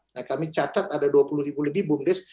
nah kami catat ada dua puluh ribu lebih bumdes